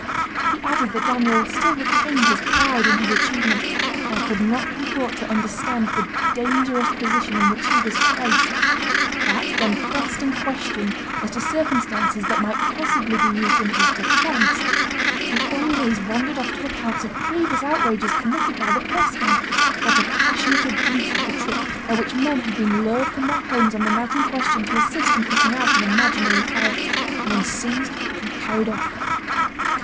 He added that Daniel still retained his pride in his achievement, and could not be brought to understand the dangerous position in which he was placed; that when pressed and questioned as to circumstances that might possibly be used in his defence, he always wandered off to accounts of previous outrages committed by the press gang, or to passionate abuse of the trick by which men had been lured from their homes on the night in question to assist in putting out an imaginary fire, and then seized and carried off.